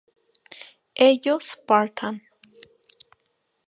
ellos partan